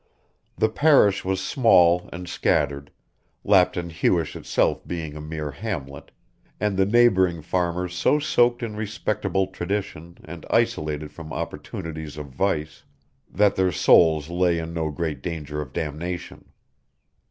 The parish was small and scattered, Lapton Huish itself being a mere hamlet, and the neighbouring farmers so soaked in respectable tradition and isolated from opportunities of vice that their souls lay in no great danger of damnation.